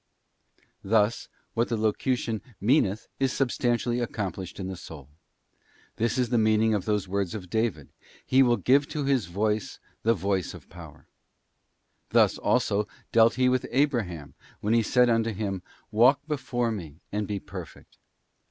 * Thus, what the locution meaneth is substantially accomplished in the soul. This is the meaning of those words of David: ' He will give to His voice the voice of power.'t Thus, also, dealt He with Abraham, when He said unto him, 'Walk before Me, and be perfect.